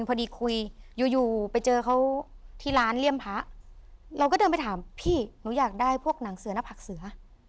พอดีคุยอยู่อยู่ไปเจอเขาที่ร้านเลี่ยมพระเราก็เดินไปถามพี่หนูอยากได้พวกหนังเสือหน้าผักเสือ